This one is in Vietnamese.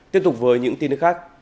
tiếp tục với những tin khác